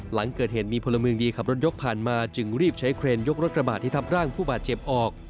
หลังเกิดเหตุมีพลเมืองดีขับรถยกผ่านมาจึงรีบใช้เครนยกรถกระบาดที่ทับร่างผู้บาดเจ็บออก